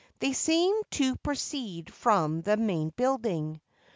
They seemed to proceed from the main building.